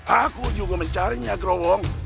aku juga mencarinya growong